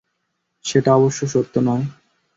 সেটা অবশ্য সত্য নয়!